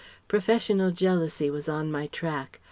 Professional jealousy was on my track.